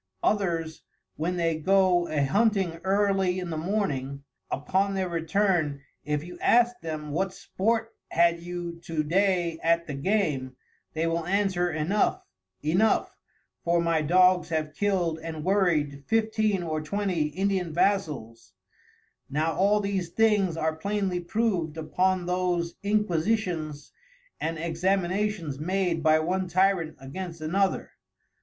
Others, when they go a Hunting early in the morning, upon their return, if you ask them what sport had you to day at the Game? They will answer, enough, enough, for my Dogs have killed and worried 15 or 20 Indian Vassals. Now all these things are plainly prov'd upon those Inquisitions and Examinations made by one Tyrant against another.